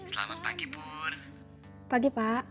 terima kasih pak